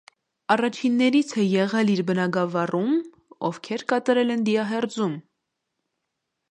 Առաջիններից է եղել իր բնագավառում, ովքեր կատարել են դիահերձում։